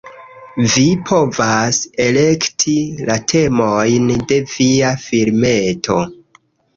Vi povas elekti la temojn de via filmeto